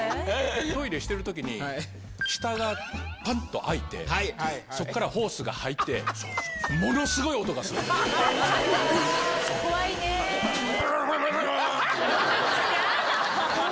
トイレしてるときに、下がぱんっと開いて、そこからホースが入って、ものすごい音がす怖いねぇ。